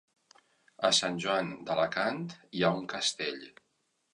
A Sant Joan d'Alacant hi ha un castell?